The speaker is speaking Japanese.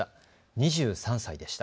２３歳でした。